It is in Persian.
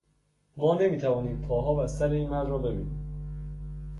ما نمیتوانیم پاها و سر این مرد را ببینیم.